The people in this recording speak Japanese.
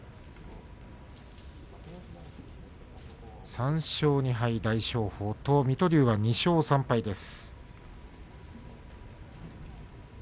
３勝２敗、大翔鵬と水戸龍は２勝３敗です。